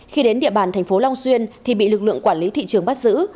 khi đến địa bàn thành phố long xuyên thì bị lực lượng quản lý thị trường bắt giữ